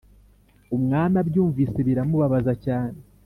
Umwami abyumvise biramubabaza cyane